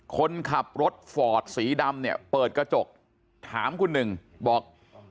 คนขับรถฟอร์ดสีดำเนี่ยเปิดกระจกถามคุณหนึ่งบอก